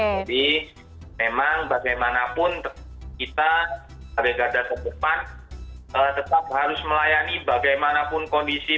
jadi memang bagaimanapun kita agar data depan tetap harus melayani bagaimanapun kondisi